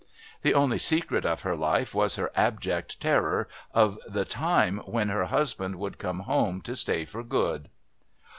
The only secret of her life was her abject terror of the time when her husband would come home to stay for good."